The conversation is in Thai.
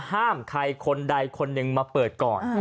ห้ามใครคนใดคนหนึ่งมาเปิดก่อน